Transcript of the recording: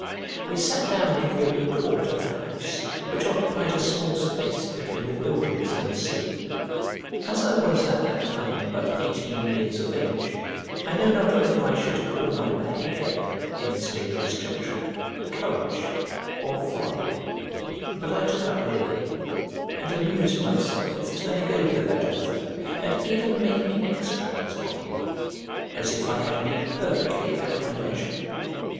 We sat down in the open court of the house, which occupied a small space between the buildings and the sea. As I was at that time but eighteen years of age, I know not whether I should call my behaviour, in this dangerous juncture, courage or folly; but I took up Livy, and amused myself with turning over that author, and even making extracts from him, as if I had been perfectly at my leisure.